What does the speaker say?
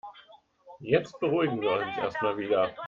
Jetzt beruhigen wir uns erstmal wieder.